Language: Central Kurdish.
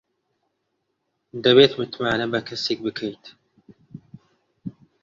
دەبێت متمانە بە کەسێک بکەیت.